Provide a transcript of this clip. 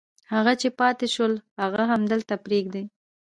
هغه چې پاتې شول هغه همدلته پرېږدي.